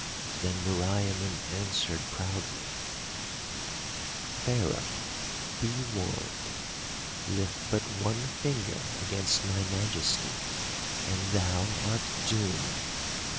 "Then Meriamun answered proudly: "'Pharaoh, be warned: lift but one finger against my majesty and thou art doomed.